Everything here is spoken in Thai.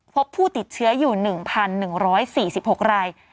พบผู้ติดเชื้ออยู่๑๑๔๖ราย